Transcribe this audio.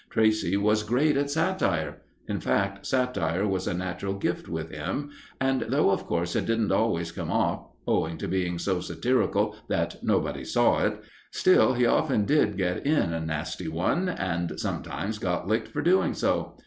Tracey was great at satire in fact, satire was a natural gift with him and though, of course, it didn't always come off, owing to being so satirical that nobody saw it, still he often did get in a nasty one; and sometimes got licked for doing so.